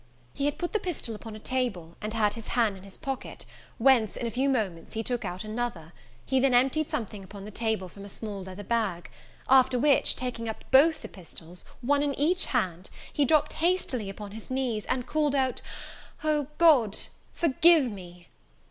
He had put the pistol upon a table, and had his hand in his pocket, whence, in a few moments, he took out another: he then emptied something on the table from a small leather bag; after which, taking up both the pistols, one in each hand, he dropt hastily upon his knees, and called out, "O, God! forgive me!"